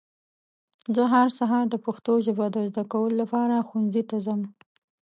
زه هر سهار د پښتو ژبه د ذده کولو لپاره ښونځي ته ځم.